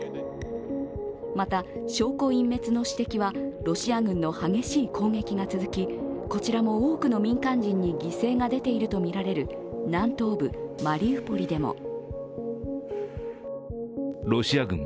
また、証拠隠滅の指摘はロシア軍の激しい攻撃が続きこちらも多くの民間人に犠牲が出ているとみられる南東部マリウポリでも。